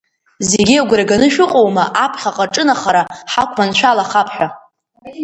Зегьы агәра ганы шәыҟоума аԥхьаҟа аҿынахара ҳақәманшәалахап ҳәа?